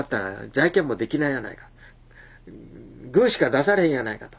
グーしか出されへんやないか」と。